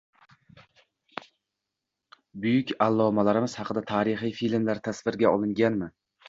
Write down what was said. Buyuk allomalarimiz haqida tarixiy filmlar tasvirga olinganmi?